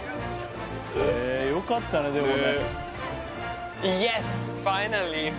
えよかったねでもね。